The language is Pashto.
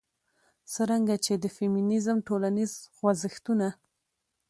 څرنګه چې د فيمنيزم ټولنيز خوځښتونه